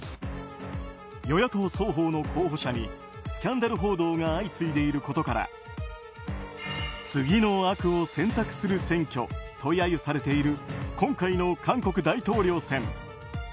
与野党双方の候補者にスキャンダル報道が相次いでいることから次の悪を選択する選挙と揶揄されている今回の韓国大統領選。